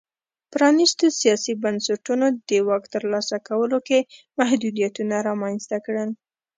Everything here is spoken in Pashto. پرانیستو سیاسي بنسټونو د واک ترلاسه کولو کې محدودیتونه رامنځته کړل.